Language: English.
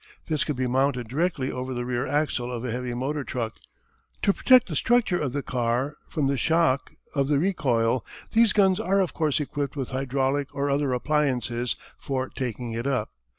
This could be mounted directly over the rear axle of a heavy motor truck. To protect the structure of the car from the shock of the recoil these guns are of course equipped with hydraulic or other appliances for taking it up.